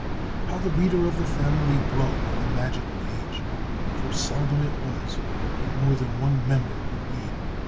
How the reader of the family dwelt on the magic page! for seldom it was that more than one member could read.